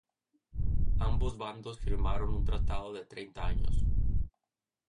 Ambos bandos firmaron un tratado de treinta años.